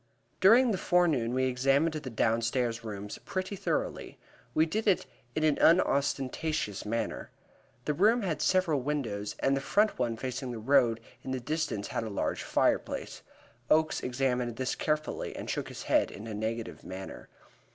During the forenoon we examined the downstairs rooms pretty thoroughly. We did it in an unostentatious manner. The rooms had several windows, and the front one facing the road in the distance had a large fireplace. Oakes examined this carefully and shook his head in a negative manner.